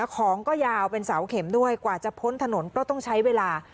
ของก็ยาวเป็นเสาเข็มด้วยกว่าจะพ้นถนนก็ต้องใช้เวลา